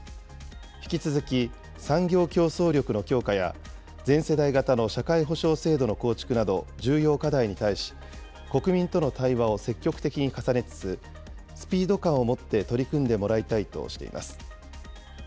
引き続き、産業競争力の強化や、全世代型の社会保障制度の構築など重要課題に対し、国民との対話を積極的に重ねつつ、スピード感をもって取り組んでもらいたいとしています。